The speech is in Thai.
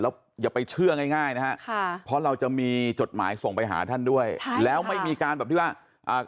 แล้วอย่าไปเชื่อง่ายง่ายนะฮะค่ะเพราะเราจะมีจดหมายส่งไปหาท่านด้วยค่ะแล้วไม่มีการแบบที่ว่าอ่า